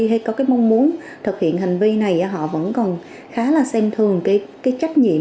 hay có cái mong muốn thực hiện hành vi này họ vẫn còn khá là xem thường cái trách nhiệm